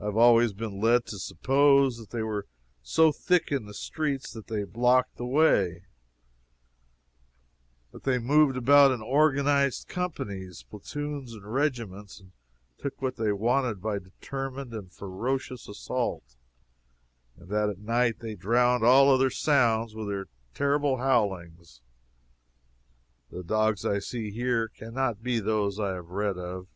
I have always been led to suppose that they were so thick in the streets that they blocked the way; that they moved about in organized companies, platoons and regiments, and took what they wanted by determined and ferocious assault; and that at night they drowned all other sounds with their terrible howlings. The dogs I see here can not be those I have read of.